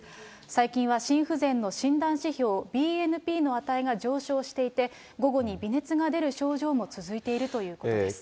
最近は心不全の診断指標、ＢＮＰの値が上昇していて、午後に微熱が出る症状も続いているということです。